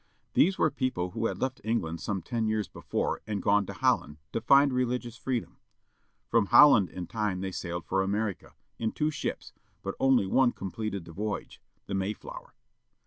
These were people who had left England some ten years before and gone to Holland, to find religious freedom. From Holland in time they sailed for America, in two ships, but only one completed the voyage â the Mayflower.